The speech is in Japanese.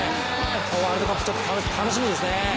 ワールドカップ、楽しみですね。